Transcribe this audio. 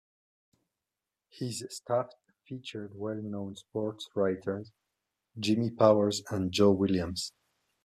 His staff featured well-known sportswriters Jimmy Powers and Joe Williams.